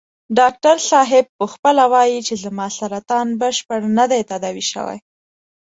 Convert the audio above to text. ډاکټر صاحب په خپله وايي چې زما سرطان بشپړ نه دی تداوي شوی.